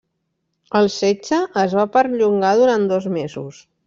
El setge es va perllongar durant dos mesos.